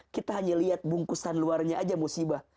kita hanya lihat bungkusan luarnya aja musibah